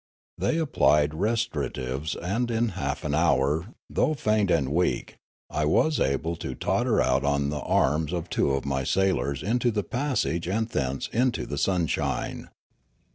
They applied restoratives, and in half an hour, though faint and weak, I was able to totter out on the arms of two of my sailors into the passage and thence into the sunshine.